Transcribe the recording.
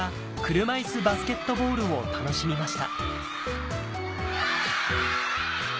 車いすバスケットボールを楽しみました